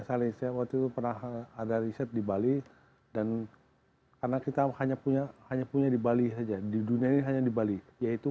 jadi saya pada tahun dua ribu tujuh belas itu